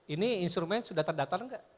ini instrumen sudah terdatar gak